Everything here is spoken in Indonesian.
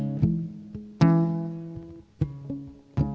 kami akan mencoba